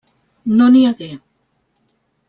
No n'hi hagué.